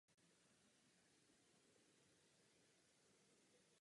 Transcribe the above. Po obsazení Kežmarku císařským vojskem byl spolu s dalšími dvěma vzbouřenci popraven.